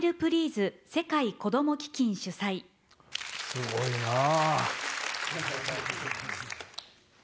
すごいなあ。